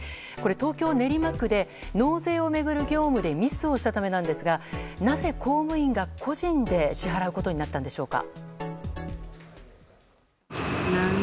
東京・練馬区で納税を巡る業務でミスをしたためなんですがなぜ、公務員が個人で支払うことになったんでしょうか？